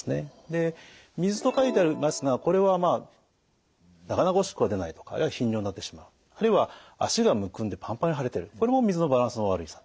で水と書いてありますがこれはまあなかなかおしっこが出ないとかあるいは頻尿になってしまうあるいは足がむくんでパンパンに腫れてるこれも水のバランスの悪さ。